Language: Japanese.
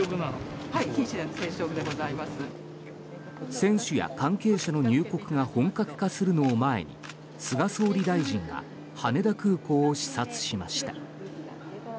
選手や関係者の入国が本格化するのを前に菅総務大臣が羽田空港を視察しました。